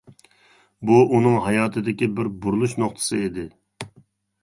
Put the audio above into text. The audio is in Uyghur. بۇ ئۇنىڭ ھاياتىدىكى بىر بۇرۇلۇش نۇقتىسى ئىدى.